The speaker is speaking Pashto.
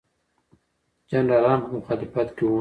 جنرالان په مخالفت کې وو.